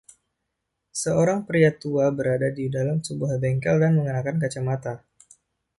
Seorang pria tua berada di dalam sebuah bengkel dan mengenakan kacamata.